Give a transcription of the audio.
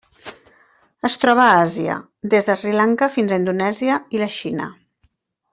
Es troba a Àsia: des de Sri Lanka fins a Indonèsia i la Xina.